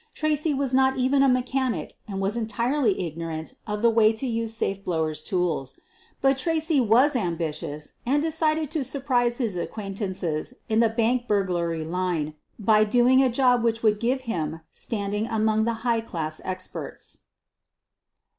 Tracy was not even a me chanic and was entirely ignorant of the way to use safe blowers' tools. But Tracy was ambitious and decided to surprise his acquaintances in the bank burglary line by doing a job which would give him standing among the high class experts.